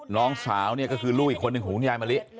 น้องสาวเนี่ยก็คือลูกอีกคนหนึ่งของคุณยายมะลิ